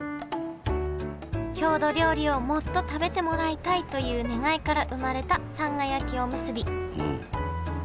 郷土料理をもっと食べてもらいたいという願いから生まれたさんが焼きおむすび。